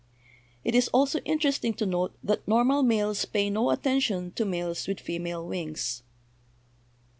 "It is also interesting to note that normal males pay no attention to males with female wings.